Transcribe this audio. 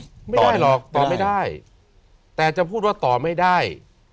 ไม่ได้หรอกตอบไม่ได้แต่จะพูดว่าต่อไม่ได้